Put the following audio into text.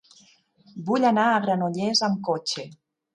Vull anar a Granollers amb cotxe.